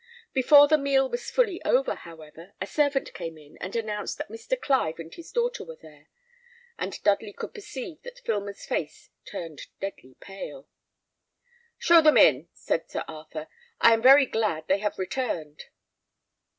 Before the meal was fully over, however, a servant came in and announced that Mr. Clive and his daughter were there; and Dudley could perceive that Filmer's face turned deadly pale. "Show them in," said Sir Arthur. "I am very glad they have returned."